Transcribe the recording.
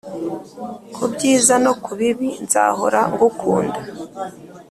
kubyiza, no kubibi nzahora ngukunda